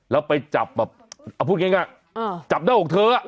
แล้วไปจับแบบเอาพูดง่ายจับหน้าอกเธอ